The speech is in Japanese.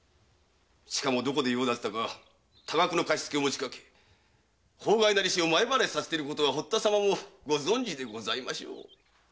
しかもどこで用立てたか多額の貸し付けを持ちかけ法外な利子を前払いさせていることは堀田様もご存じでしょう。